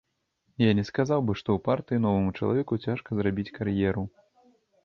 Я не сказаў бы што ў партыі новаму чалавеку цяжка зрабіць кар'еру.